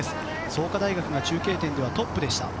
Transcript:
創価大学が中継点ではトップでした。